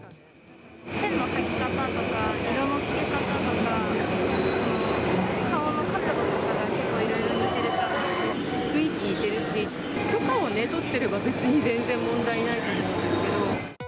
線の描き方とか、色のつけ方とか、顔の形とか、雰囲気似てるし、許可を取っていれば、別に全然問題ないと思うんですけれども。